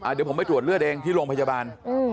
เดี๋ยวผมไปตรวจเลือดเองที่โรงพยาบาล